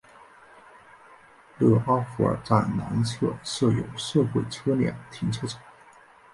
勒阿弗尔站南侧设有社会车辆停车场。